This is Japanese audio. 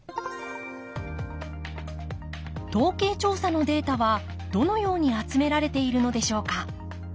統計調査のデータはどのように集められているのでしょうか。